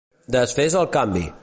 Desfés el canvi!